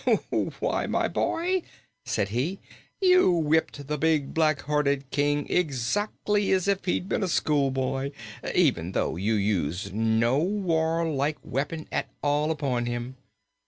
"Why, my boy," said he, "you whipped the big black bearded King exactly as if he were a schoolboy, even though you used no warlike weapon at all upon him.